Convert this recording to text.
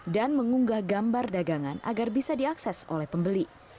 dan mengunggah gambar dagangan agar bisa diakses oleh pembeli